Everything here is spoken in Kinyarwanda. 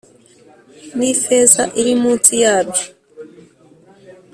N ifeza iri munsi yabyo